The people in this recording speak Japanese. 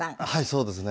そうですね。